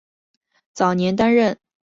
早年担任甲喇章京。